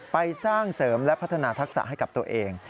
ไปสร้างเสริมและพัฒนาทักษะให้กับตัวเอง